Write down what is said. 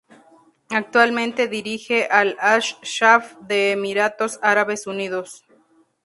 Actualmente dirige al Al-Shaab de Emiratos Árabes Unidos.